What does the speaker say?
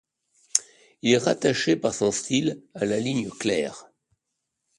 Il est rattaché par son style à la ligne claire.